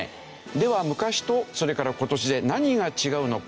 では昔とそれから今年で何が違うのか？